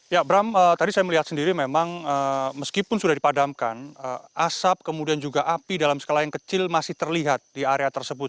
ya bram tadi saya melihat sendiri memang meskipun sudah dipadamkan asap kemudian juga api dalam skala yang kecil masih terlihat di area tersebut